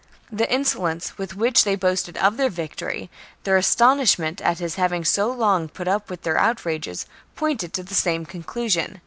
The insolence with which they boasted of their victory, their astonishment at his having so long put up with their outrages, pointed to the same conclusion.